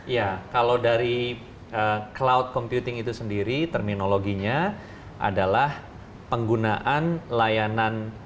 ya kalau dari cloud computing itu sendiri terminologinya adalah penggunaan layanan